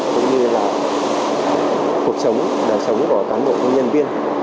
cũng như là cuộc sống đời sống của cán bộ công nhân viên